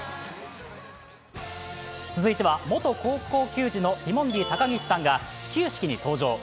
続いては、元高校球児のティモンディ高岸さんが始球式に登場。